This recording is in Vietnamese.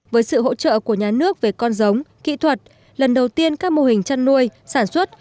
với sự hỗ trợ của nhà nước về con giống kỹ thuật lần đầu tiên các mô hình chăn nuôi sản xuất